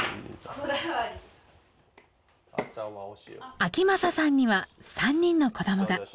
章匡さんには３人の子どもが。